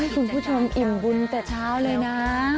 คุณผู้ชมอิ่มบุญแต่เช้าเลยนะ